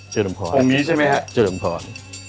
เจอดำพอร์ตรงนี้ใช่ไหมครับเจอดำพอร์